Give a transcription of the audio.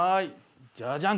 ジャジャン